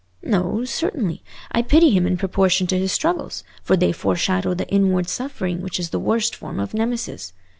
"No, certainly; I pity him in proportion to his struggles, for they foreshadow the inward suffering which is the worst form of Nemesis.